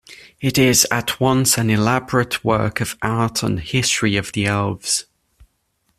It is at once an elaborate work of art and history of the elves.